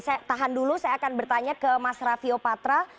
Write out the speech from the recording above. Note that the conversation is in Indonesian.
saya akan bertanya ke mas raffio patra